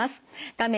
画面